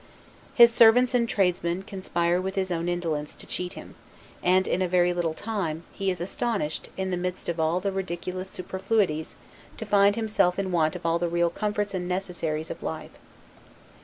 His servants and tradesmen conspire with his own indolence to cheat him; and, in a very little time, he is astonished, in the midst of all the ridiculous superfluities, to find himself in want of all the real comforts and necessaries of life.